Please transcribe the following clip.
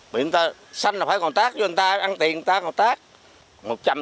bị người ta xanh là phải còn tác cho người ta ăn tiền người ta còn tác